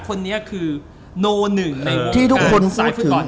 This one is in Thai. คนนี้คือโนหนึ่งที่ทุกคนพูดถึง